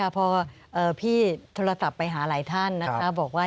พอพี่โทรศัพท์ไปหาหลายท่านบอกว่า